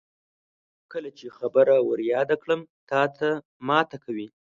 کله چې خبره ور یاده کړم تاته ماته کوي.